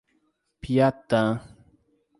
Piatã